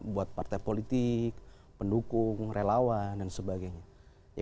buat partai politik pendukung relawan dan sebagainya